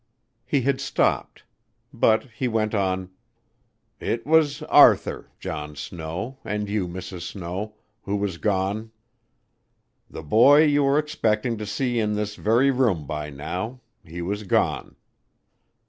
He had stopped; but he went on. "It was Arthur, John Snow, and you, Mrs. Snow, who was gone. The boy you were expecting to see in this very room by now, he was gone.